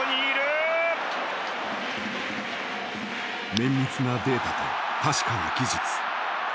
綿密なデータと確かな技術。